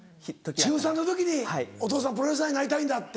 中３の時に「お父さんプロレスラーになりたいんだ」って。